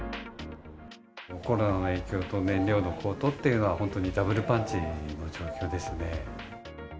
コロナの影響と燃料の高騰っていうのは、本当にダブルパンチの状況ですね。